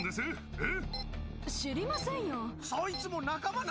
えっ。